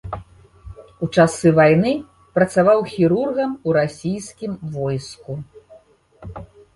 У часы вайны працаваў хірургам у расійскім войску.